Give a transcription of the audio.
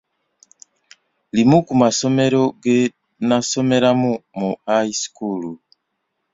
Limu ku masomero ge nnasomeramu mu high school